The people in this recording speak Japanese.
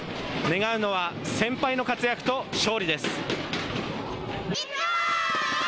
願うのは先輩の活躍と勝利です。